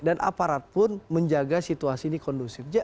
dan aparat pun menjaga situasi ini kondusif